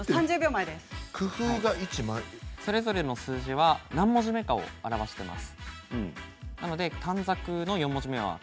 それぞれの数字は何文字目かを表しています。